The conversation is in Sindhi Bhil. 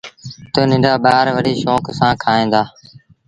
تا ننڍآ ٻآروڏي شوڪ سآݩ کائيٚݩ دآ۔